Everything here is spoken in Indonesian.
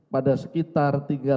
pada sekitar tanggal sebelas